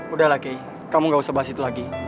udah lah kay kamu gak usah bahas itu lagi